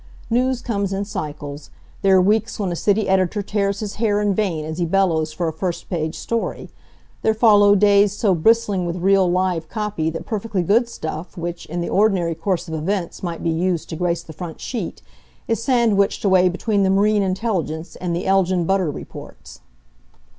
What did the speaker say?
News comes in cycles. There are weeks when a city editor tears his hair in vain as he bellows for a first page story. There follow days so bristling with real, live copy that perfectly good stuff which, in the ordinary course of events might be used to grace the front sheet, is sandwiched away between the marine intelligence and the Elgin butter reports.